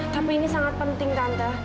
tapi ini sangat penting kanda